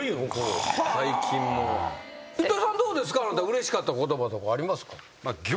うれしかった言葉とかありますか？